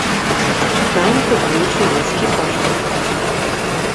Там купіў чылійскі пашпарт.